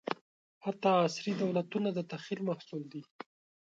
حتی عصري دولتونه د تخیل محصول دي.